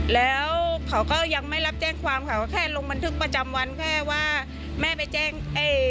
แล้วเขาก็ยังไม่รับแจ้งความค่ะว่าแค่ลงบันทึกประจำวันแค่ว่าแม่ไปแจ้ง